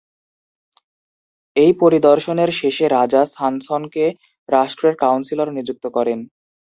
এই পরিদর্শনের শেষে রাজা সানসনকে রাষ্ট্রের কাউন্সিলর নিযুক্ত করেন।